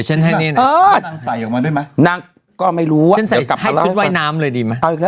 เอ้อนั่งใส่ออกมาด้วยไหมนางก็ไม่รู้ว่าให้ชุดไว้น้ำเลยดีไหมเอาอีกแล้ว